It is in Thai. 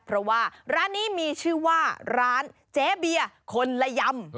เพราะว่าร้านนี้มีชื่อว่าร้านเจ๊เบียร์คนละยำ